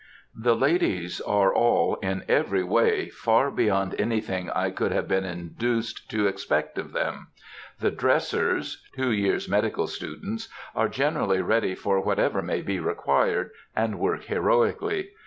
The ladies are all, in every way, far beyond anything I could have been induced to expect of them. The dressers (two years medical students) are generally ready for whatever may be required, and work heroically.